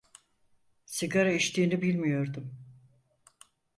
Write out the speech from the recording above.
Sigara içtiğini bilmiyordum.